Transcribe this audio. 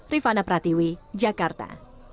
rifana pratiwi jakarta